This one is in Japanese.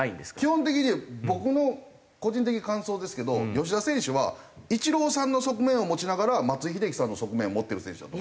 基本的に僕の個人的感想ですけど吉田選手はイチローさんの側面を持ちながら松井秀喜さんの側面を持ってる選手だと。